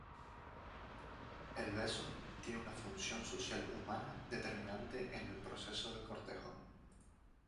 El beso tiene una función social humana determinante en el proceso de cortejo.